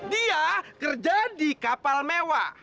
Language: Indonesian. dia kerja di kapal mewah